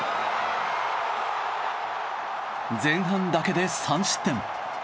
前半だけで３失点。